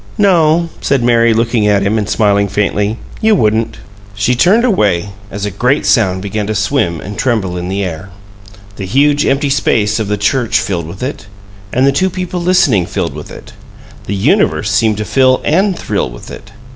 "No," said Mary, looking at him and smiling faintly, "you wouldn't." She turned away as a great sound began to swim and tremble in the air; the huge empty space of the church filled with it, and the two people listening filled with it; the universe seemed to fill and thrill with it.